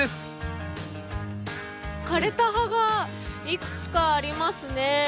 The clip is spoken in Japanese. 枯れた葉がいくつかありますね。